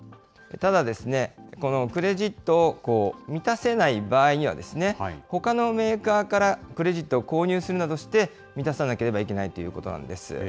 ただ、このクレジットを満たせない場合には、ほかのメーカーからクレジットを購入するなどして満たさなければいけないということなんです。